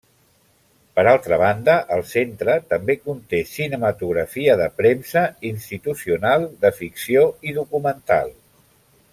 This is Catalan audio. Per altra banda el Centre també conté cinematografia de premsa, institucional, de ficció i documental.